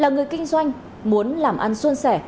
là người kinh doanh muốn làm ăn xuân sẻ